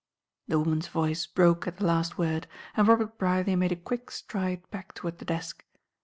'" The woman's voice broke at the last word, and Robert Brierly made a quick stride back toward the desk.